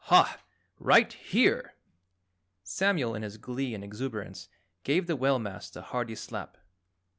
Hah! Right here!" Samuel in his glee and exuberance gave the whalemast a hearty slap.